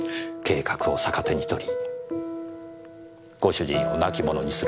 計画を逆手に取りご主人を亡き者にするためです。